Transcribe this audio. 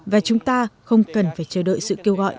và chúng ta không cần phải chờ đợi sự kêu gọi